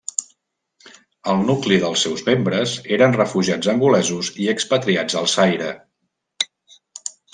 El nucli dels seus membres eren refugiats angolesos i expatriats al Zaire.